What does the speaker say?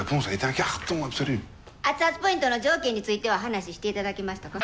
アツアツポイントの条件については話していただけましたか？